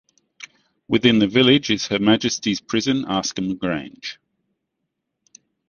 Within the village is Her Majesty's Prison Askham Grange.